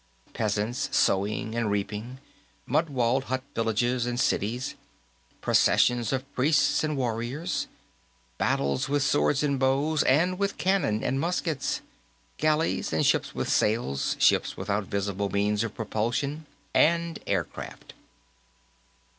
Peasants sowing and reaping; mud walled hut villages, and cities; processions of priests and warriors; battles with swords and bows, and with cannon and muskets; galleys, and ships with sails, and ships without visible means of propulsion, and aircraft.